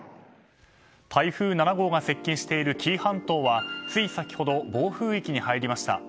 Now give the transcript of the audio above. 台風７号が接近している紀伊半島はつい先ほど、暴風域に入りました。